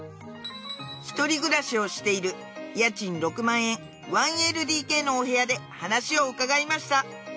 一人暮らしをしている家賃６万円 １ＬＤＫ のお部屋で話を伺いました